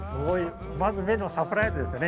まず目のサプライズですね。